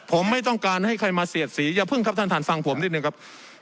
ผมไม่ต้องการให้ใครมาเสียดสีอย่าพึ่งครับท่านท่านฟังผมนิดนึงครับ